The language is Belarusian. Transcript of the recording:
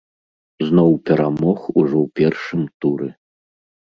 Зноў перамог ужо ў першым туры.